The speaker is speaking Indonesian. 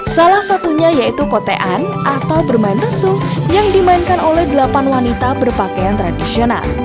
salah satunya yaitu kotean atau bermain resu yang dimainkan oleh delapan wanita berpakaian tradisional